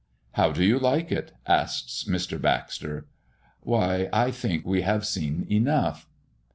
"How do you like it?" asks Mr. Baxter. "Why I think we have seen enough."